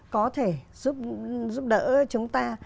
có thể giúp đỡ chúng ta